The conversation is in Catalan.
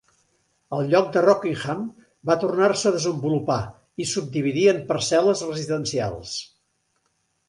El lloc de Rockingham va tornar-se a desenvolupar i subdividir en parcel·les residencials.